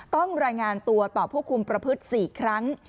ต้องรายงานตัวต่อผู้คุมประพฤติ๔ครั้ง